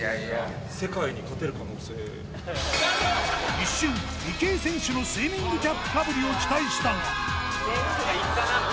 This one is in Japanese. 一瞬池江選手のスイミングキャップかぶりを期待したがいったな。